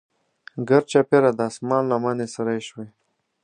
ګرچاپیره د اسمان لمنې سرې شوې.